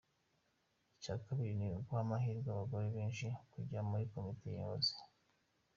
Icya kabiri ni uguha amahirwe abagore benshi kujya muri komite nyobozi.